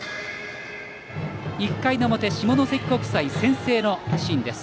１回の表、下関国際先制のシーンです。